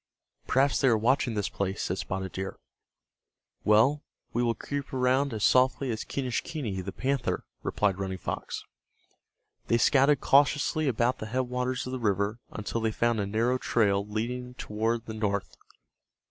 "Perhaps they are watching this place," said Spotted Deer. "Well, we will creep around as softly as Quenischquney, the panther," replied Running Fox. They scouted cautiously about the headwaters of the river until they found a narrow trail leading toward the north.